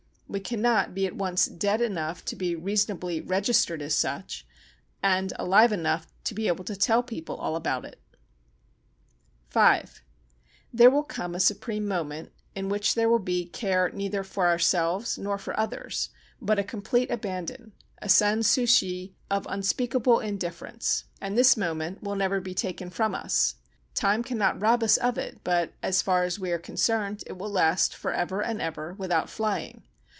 We cannot be at once dead enough to be reasonably registered as such, and alive enough to be able to tell people all about it. v There will come a supreme moment in which there will be care neither for ourselves nor for others, but a complete abandon, a sans souci of unspeakable indifference, and this moment will never be taken from us; time cannot rob us of it but, as far as we are concerned, it will last for ever and ever without flying.